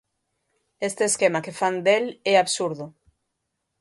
Este esquema que fan del é absurdo.